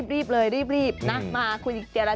รีบเลยรีบนะมาคุยเจรจา